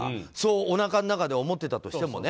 おなかの中で思ってたとしてもね。